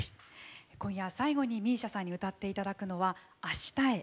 今夜最後にＭＩＳＩＡさんに歌っていただくのは「明日へ」です。